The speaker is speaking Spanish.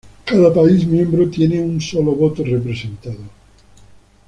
Cada país miembro tiene un solo voto representado.